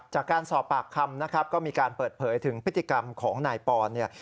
จากการสอบปากคำนะครับก็มีการเปิดเผยถึงพฤติกรรมของนายปอนเนี่ย